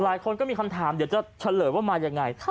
หลายคนก็มีคำถามเดี๋ยวจะเฉลยว่ามายังไง